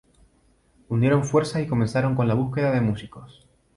Unieron fuerzas y comenzaron con la búsqueda de músicos.